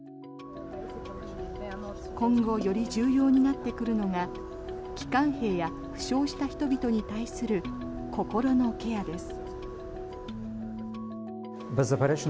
今後より重要になってくるのが帰還兵や負傷した人々に対する心のケアです。